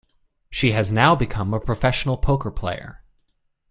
She has now become a professional poker player.